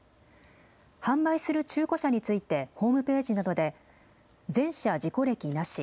販売する中古車についてホームページなどで全車事故歴無し。